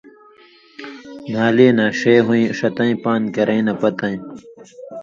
نھالی نا ݜے ہُویں ݜتَیں پان٘د کرَیں نہ پتَیں